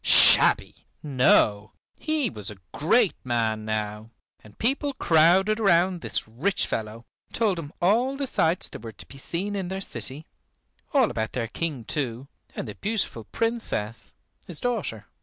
Shabby! No, he was a great man now, and people crowded round this rich fellow, told him all the sights there were to be seen in their city, all about their King too, and the beautiful Princess, his daughter.